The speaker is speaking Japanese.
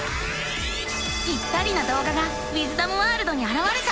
ぴったりなどうががウィズダムワールドにあらわれた。